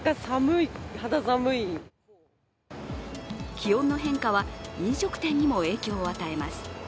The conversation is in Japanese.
気温の変化は、飲食店にも影響を与えます。